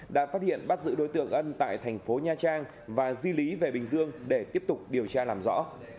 đã phát hiện bắt giữ đối tượng ân tại thành phố nha trang và di lý về bình dương để tiếp tục điều tra làm rõ